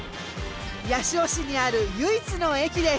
八潮市にある唯一の駅です。